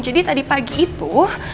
jadi tadi pagi itu